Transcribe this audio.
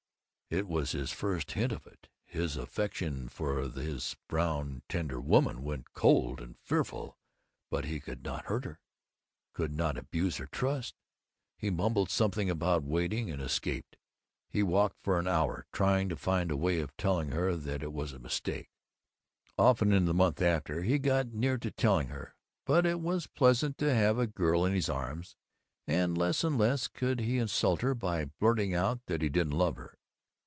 It was his first hint of it. His affection for this brown tender woman thing went cold and fearful, but he could not hurt her, could not abuse her trust. He mumbled something about waiting, and escaped. He walked for an hour, trying to find a way of telling her that it was a mistake. Often, in the month after, he got near to telling her, but it was pleasant to have a girl in his arms, and less and less could he insult her by blurting that he didn't love her.